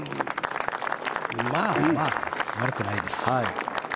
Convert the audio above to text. まあまあ悪くないです。